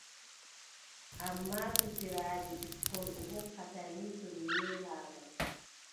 Ammaa pijiraandi ɓikkon o hokkata mi to mi weelaama.